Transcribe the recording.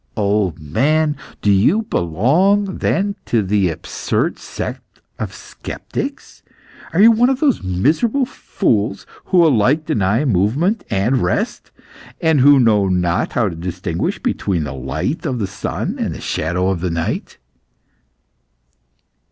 "Old man, do you belong, then, to the absurd sect of sceptics? Are you one of those miserable fools who alike deny movement and rest, and who know not how to distinguish between the light of the sun and the shadows of night?"